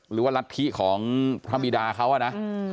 หรือว่ารัฐิของพระบิดาเขาอะนะ